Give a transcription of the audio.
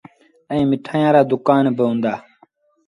ائيٚݩ مٺآيآن رآ دُڪآن با هُݩدآ۔